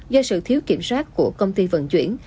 do sự thiếu kiểm soát của công ty vận chuyển